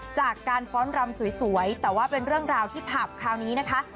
จากการฟ้อนรำสวยแต่ว่าเป็นเรื่องราวที่ผับคราวนี้นะคะ